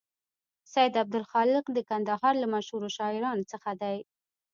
سید عبدالخالق د کندهار له مشهور شاعرانو څخه دی.